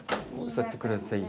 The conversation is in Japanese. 座ってください。